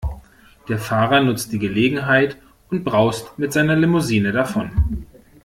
Der Fahrer nutzt die Gelegenheit und braust mit seiner Limousine davon.